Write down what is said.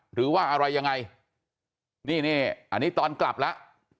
หรือว่าอะไรยังไงนี่นี่อันนี้ตอนกลับแล้ว